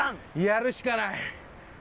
やるしかない。